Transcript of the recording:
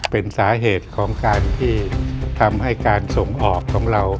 เป็นสาเหตุของการที่ทำให้การส่งออกของเรา